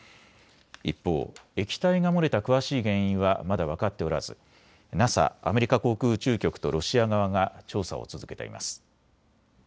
一方、液体が漏れた詳しい原因はまだ分かっておらずＮＡＳＡ・アメリカ航空宇宙局とロシア側が調査を続けています。